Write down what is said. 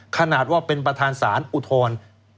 ขนาดว่าเป็นประธานศาลอุทธร